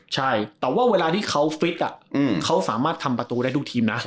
ใช่แต่ว่าเวลาที่เขาฟิตเขาสามารถทำประตูได้ทุกทีมนะ